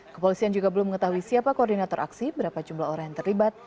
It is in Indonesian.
kepolisian juga belum mengetahui siapa koordinator aksi berapa jumlah orang yang terlibat